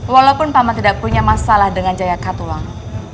walaupun paman tidak punya masalah dengan jaya katulang